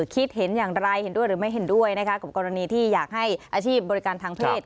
คิดเห็นอย่างไรเห็นด้วยหรือไม่เห็นด้วยนะคะกับกรณีที่อยากให้อาชีพบริการทางเพศ